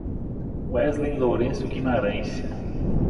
Weslen Lourenco Guimaraes